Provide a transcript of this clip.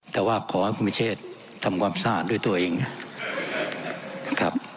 แต่ว่าขอให้คุณพิเชษทำความสะอาดด้วยตัวเองนะครับ